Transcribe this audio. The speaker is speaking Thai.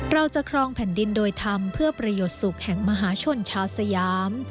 เราจะครองแผ่นดินโดยธรรมเพื่อประโยชน์สุขแห่งมหาชนชาวสยาม